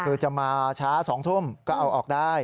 คือจะมาช้า๒ทุ่มก็เอาออกได้